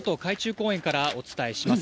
公園からお伝えします。